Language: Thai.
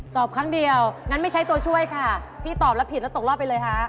ครั้งเดียวงั้นไม่ใช้ตัวช่วยค่ะพี่ตอบแล้วผิดแล้วตกรอบไปเลยฮะ